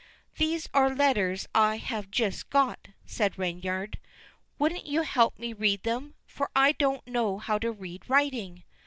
"These are letters I have just got," said Reynard. "Won't you help me to read them, for I don't know how to read writing?"